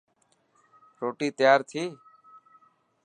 روتي تيار ٿي.